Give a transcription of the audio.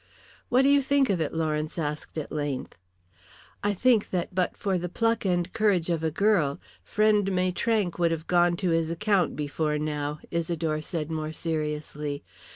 "What do you think of it?" Lawrence asked at length. "I think that but for the pluck and courage of a girl friend Maitrank would have gone to his account before now," Isidore said more seriously.